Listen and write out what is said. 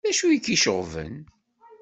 D acu i k-iceɣben?